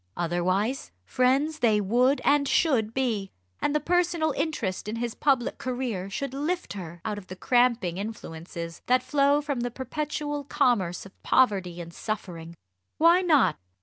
Otherwise friends they would and should be; and the personal interest in his public career should lift her out of the cramping influences that flow from the perpetual commerce of poverty and suffering. Why not?